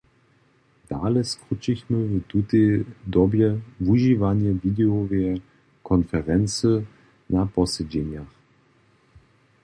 Dale skrućichmy w tutej dobje wužiwanje widejoweje konferency na posedźenjach.